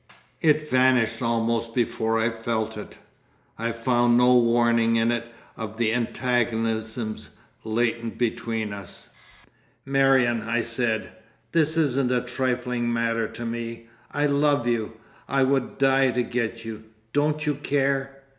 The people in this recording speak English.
_" It vanished almost before I felt it. I found no warning in it of the antagonisms latent between us. "Marion," I said, "this isn't a trifling matter to me. I love you; I would die to get you.... Don't you care?"